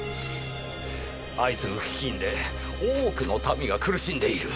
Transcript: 相次ぐ飢饉で多くの民が苦しんでいる。